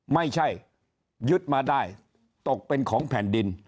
ไม่ใช่ยึดมาได้ตกเป็นของแผ่นดิน